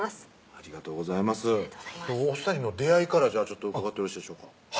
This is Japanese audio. ありがとうございますお２人の出会いから伺ってよろしいでしょうか？